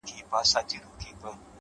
د سرو سونډو په لمبو کي د ورک سوي یاد دی”